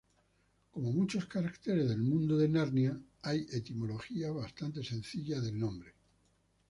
Como muchos caracteres del mundo de Narnia, hay etimología bastante sencilla del nombre.